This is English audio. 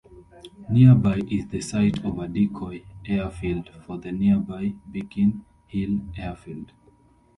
Nearby is the site of a decoy airfield for the nearby Biggin Hill airfield.